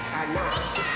できたー！